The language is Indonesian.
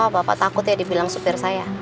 bapak takut ya dibilang supir saya